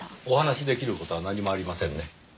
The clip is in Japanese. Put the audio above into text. お話し出来る事は何もありませんね。